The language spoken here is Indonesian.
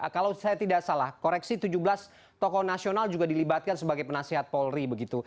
kalau saya tidak salah koreksi tujuh belas tokoh nasional juga dilibatkan sebagai penasihat polri begitu